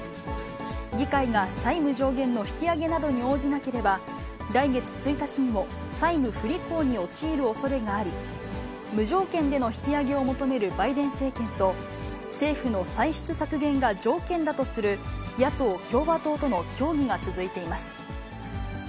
議会が債務上限の引き上げなどに応じなければ、来月１日にも債務不履行に陥るおそれがあり、無条件での引き上げを求めるバイデン政権と、政府の歳出削減が条件だとする野党・共和党との協議が続いています。